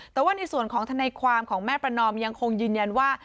แต่ว่าในส่วนของทนายความของแม่ประนอมยังคงยืนยันว่า